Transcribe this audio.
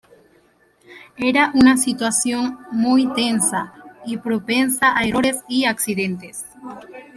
Era una situación muy tensa y propensa a errores y accidentes.